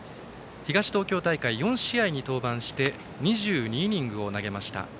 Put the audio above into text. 東東京大会、４試合に登板して２２イニングを投げました。